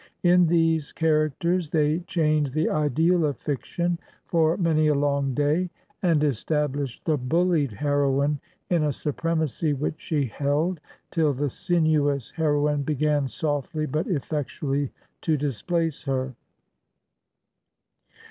In these charac ters they changed the ideal of j&ction for many a long day, and estabhshed the buUied heroine in a supremacy which she held till the sinuous heroine begem softly but effectually to displace her.